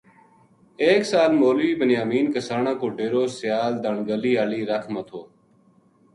ایک سال مولوی بنیامین کسانہ کو ڈیرو سیال دھان گلی ہالی رَکھ ما تھو